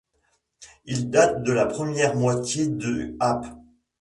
Il date de la première moitié du ap.